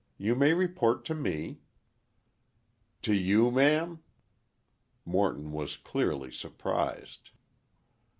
You may report to me." "To you, ma'am?" Morton was, clearly, surprised.